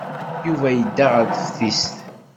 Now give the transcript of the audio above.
Yuba yedda ɣer teftist.